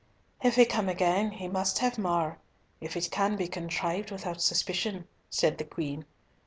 "If he come again, he must have more, if it can be contrived without suspicion," said the Queen.